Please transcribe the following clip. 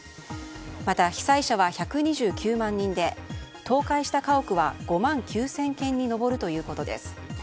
また、被災者は１２９万人で倒壊した家屋は５万９０００軒に上るということです。